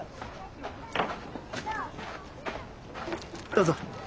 どうぞ。